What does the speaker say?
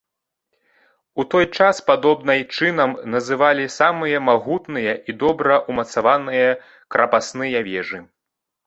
У той час падобнай чынам называлі самыя магутныя і добра ўмацаваныя крапасныя вежы.